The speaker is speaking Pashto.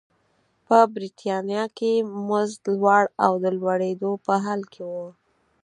په برېټانیا کې مزد لوړ او د لوړېدو په حال کې و.